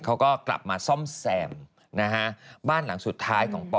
เขาก็กลับมาซ่อมแซมนะฮะบ้านหลังสุดท้ายของปอ